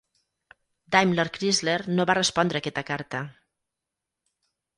DaimlerChrysler no va respondre a aquesta carta.